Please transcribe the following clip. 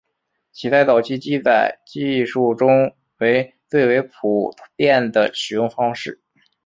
其在早期记载技术中为最为普遍的使用方式。